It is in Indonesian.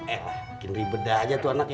eh bikin ribet aja tuh anak ya